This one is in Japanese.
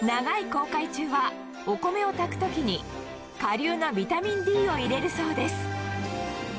航海中はお米を炊く時に顆粒のビタミンＤを入れるそうです